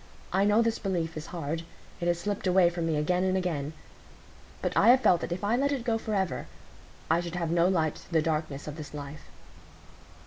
I know this belief is hard; it has slipped away from me again and again; but I have felt that if I let it go forever, I should have no light through the darkness of this life."